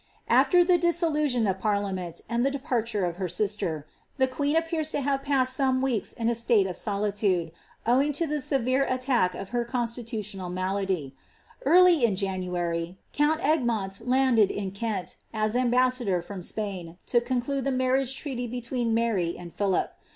After the dissolution of parliament, and the departure of her nister, t)ie queen appears to have passed some weeks m u state of solitude, owing to tlie severe attack of her cons liiutio rial malady. Early in Jhiid ary. cuuni ^niont landed in Kent, as amhassador from S|>ain, to con clude the niarriage irealy between Mary and PhiUp.